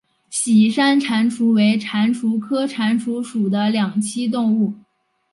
喜山蟾蜍为蟾蜍科蟾蜍属的两栖动物。